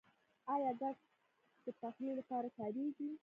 آیا ګاز د پخلي لپاره کاریږي؟